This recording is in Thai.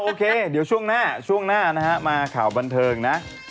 โอเคเดี๋ยวช่วงหน้ามาข่าวบันเทิงนะ